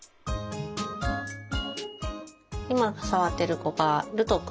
今触ってる子がるとく